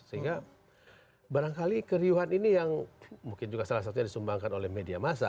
sehingga barangkali keriuhan ini yang mungkin juga salah satunya disumbangkan oleh media masa